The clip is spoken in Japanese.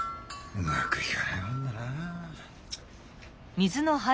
うまくいかないもんだな。